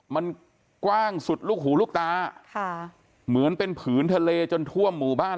มันกว้างสุดลูกหูลูกตาค่ะเหมือนเป็นผืนทะเลจนท่วมหมู่บ้าน